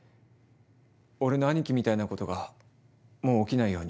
俺の兄貴みたいなことがもう起きないように。